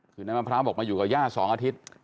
ใช่แมมพราวบอกมาอยู่กับหญ้า๒อาทิตย์